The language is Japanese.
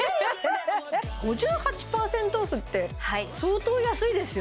５８％オフってえっ安い相当安いですよ